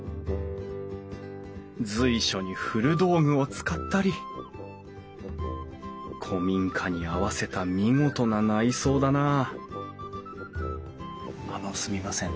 随所に古道具を使ったり古民家に合わせた見事な内装だなああのすみません。